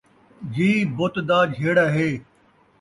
جی بت دا جھیڑا ہے